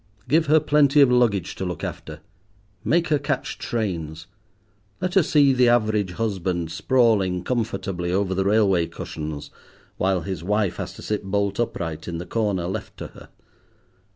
Give her plenty of luggage to look after; make her catch trains. Let her see the average husband sprawling comfortably over the railway cushions, while his wife has to sit bolt upright in the corner left to her.